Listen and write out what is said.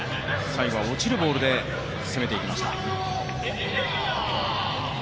最後は落ちるボールで攻めていきました。